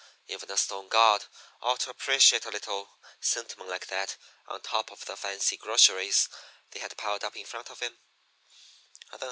Even a stone god ought to appreciate a little sentiment like that on top of the fancy groceries they had piled up in front of him.